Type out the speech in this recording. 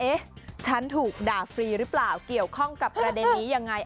ฉันถูกด่าฟรีหรือเปล่าเกี่ยวข้องกับประเด็นนี้ยังไง